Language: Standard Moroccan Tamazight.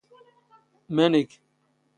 ⵎⴰⵏⵉ ⴽ?